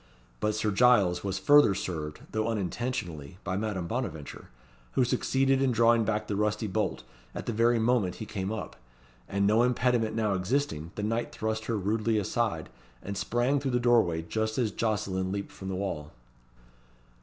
But Sir Giles was further served, though unintentionally, by Madame Bonaventure, who succeeded in drawing back the rusty bolt at the very moment he came up; and no impediment now existing, the knight thrust her rudely aside, and sprang through the doorway just as Jocelyn leaped from the wall.